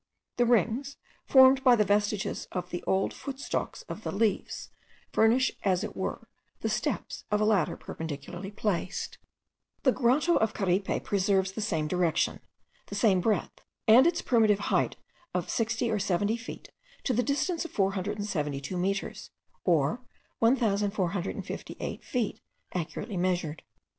The rings, formed by the vestiges of the old footstalks of the leaves, furnish as it were the steps of a ladder perpendicularly placed. The Grotto of Caripe preserves the same direction, the same breadth, and its primitive height of sixty or seventy feet, to the distance of 472 metres, or 1458 feet, accurately measured.